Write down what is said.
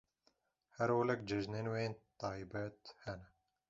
Her olek cejinên wê yên taybet hene.